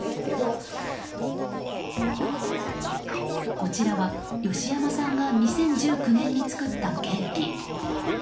こちらは義山さんが２０１９年に作ったケーキ。